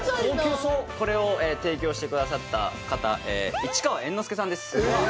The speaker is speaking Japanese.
これを提供してくださった方市川猿之助さんです・えっ！